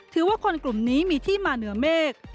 ถือว่าคนกลุ่มนี้มีที่มาเหนือเมฆ